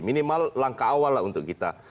minimal langkah awal lah untuk kita